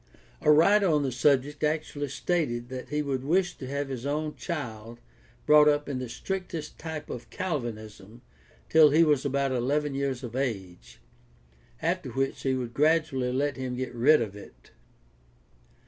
A writer on the subject actually stated that he would wish to have his own child brought up in the strictest type of Calvinism till he was about eleven years of age, after which he would gradually let him get rid of it.